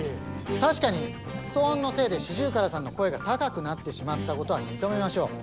確かに騒音のせいでシジュウカラさんの声が高くなってしまったことは認めましょう。